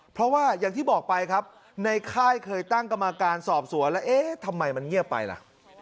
เพราะว่าอย่างที่บอกไปครับในค่ายเคยตั้งกรรมการสอบสวนแล้วเอ๊ะทำไมมันเงียบไปล่ะ